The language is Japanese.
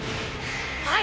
⁉はい！！